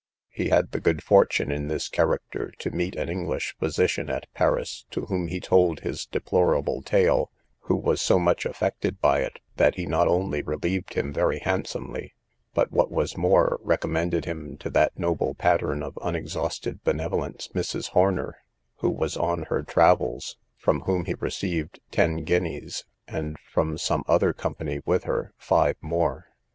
He had the good fortune, in this character, to meet an English physician at Paris, to whom he told his deplorable tale, who was so much affected by it, that he not only relieved him very handsomely, but, what was more, recommended him to that noble pattern of unexhausted benevolence, Mrs. Horner, who was on her travels, from whom he received ten guineas, and from some other company with her, five more.